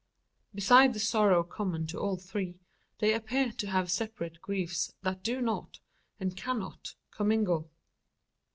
Beside the sorrow common to all three, they appear to have separate griefs that do not, and cannot, commingle.